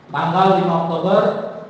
tanggal lima oktober